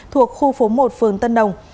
thuộc khu phố một phương tân đồng